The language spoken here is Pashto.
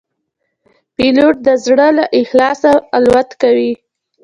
پیلوټ د زړه له اخلاصه الوت کوي.